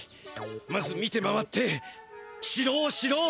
まず見て回ってしろをしろう。